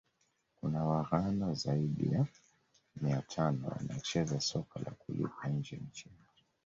Kuna waghana zaidi ya mia tano wanacheza soka la kulipwa nje ya nchi yao